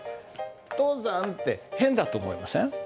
「登山」って変だと思いません？